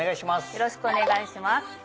よろしくお願いします。